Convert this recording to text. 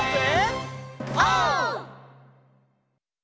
オー！